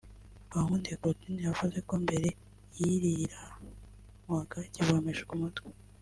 Bankundiye Claudine yavuze ko mbere yiriranwaga ikivomesho ku mutwe